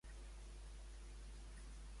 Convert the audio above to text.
És una de les seves obres bandera.